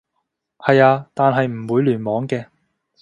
係啊，但係唔會聯網嘅